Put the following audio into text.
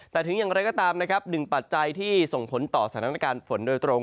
แต่ถึงอย่างไรก็ตามนะครับหนึ่งปัจจัยที่ส่งผลต่อสถานการณ์ฝนโดยตรง